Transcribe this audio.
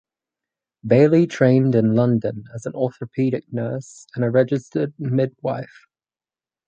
Bailey trained in London as an orthopaedic nurse and registered midwife.